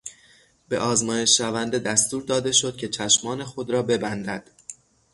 به آزمایش شونده دستور داده شد که چشمان خود را ببندد.